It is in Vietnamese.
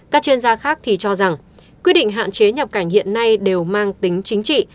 các chuyên gia khác thì cho rằng quy định hạn chế nhập cảnh hiện nay đều mang tính chính trị